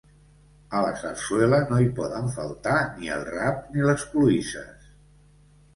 A la sarsuela no hi poden faltar ni el rap ni les cloïsses.